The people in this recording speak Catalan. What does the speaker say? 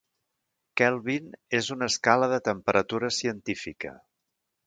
Kelvin és una escala de temperatura científica.